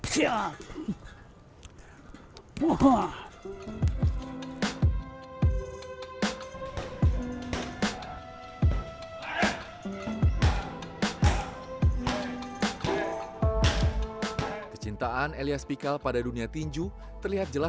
sebagai petinju indonesia pertama yang deverah silam